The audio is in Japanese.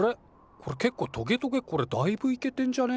これ結構トゲトゲこれだいぶいけてんじゃね？」